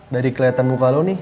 dari kelihatan muka lu nih